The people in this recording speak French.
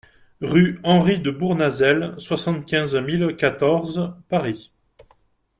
RUE HENRY DE BOURNAZEL, soixante-quinze mille quatorze Paris